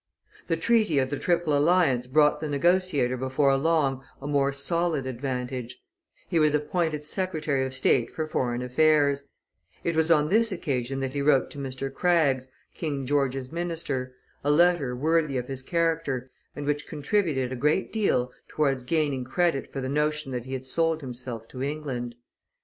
The treaty of the triple alliance brought the negotiator before long a more solid advantage; he was appointed secretary of state for foreign affairs; it was on this occasion that he wrote to Mr. Craggs, King George's minister, a letter worthy of his character, and which contributed a great deal towards gaining credit for the notion that he had sold himself to England.